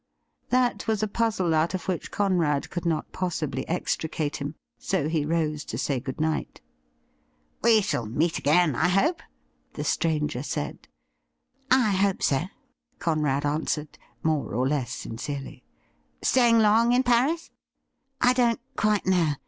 That was a puzzle out of which Conrad could not possibly extricate him. So he rose to say good night. ' We shall meet again, I hope .?' the stranger said. ' I hope so,' Conrad answered, more or less sincerely. ' Staying long in Paris .f * I don't quite know.